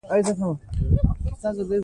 پلار مې بزګر و، الله ج دې مغفرت ورته وکړي